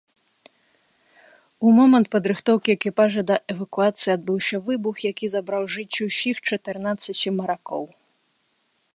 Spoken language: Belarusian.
У момант падрыхтоўкі экіпажа да эвакуацыі адбыўся выбух, які забраў жыцці ўсіх чатырнаццаці маракоў.